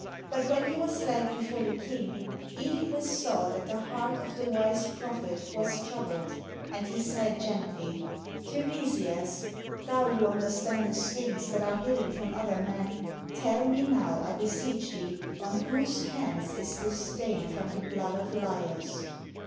But when he was led before the king, (Edipus saw that the heart of the wise prophet was troubled, and he said gently, "Teiresias, thou under standest things that are hidden from other men; tell me now, I beseech thee, on whose hands is the stain from GREECE the blood of Laios.